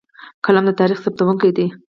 قلم د تاریخ ثبتونکی دی.